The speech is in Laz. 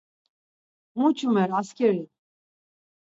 Mu çumer askeri?